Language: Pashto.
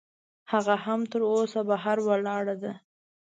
هغه هم تراوسه بهر ولاړه ده.